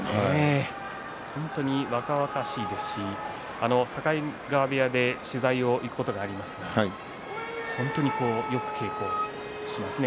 本当に若々しいですし境川部屋で取材に行くことがありますが本当によく稽古をしますね